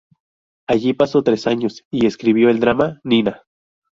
Allí pasó tres años y escribió el drama "Nina".